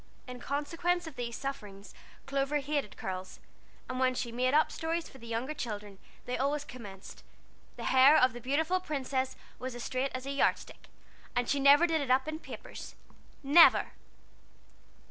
In consequence of these sufferings Clover hated curls, and when she "made up" stories for the younger children, they always commenced: "The hair of the beautiful princess was as straight as a yard stick, and she never did it up in papers never!"